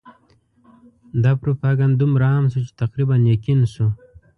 دا پروپاګند دومره عام شو چې تقریباً یقین شو.